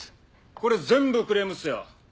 これ全部クレームっすよ。